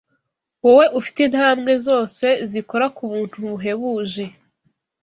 Wowe ufite intambwe zose zikora ku buntu buhebuje